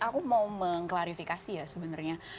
aku mau mengklarifikasi ya sebenarnya